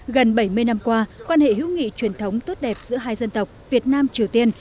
gần bảy mươi năm qua quan hệ hữu nghị truyền thống tốt đẹp giữa hai dân tộc việt nam triều tiên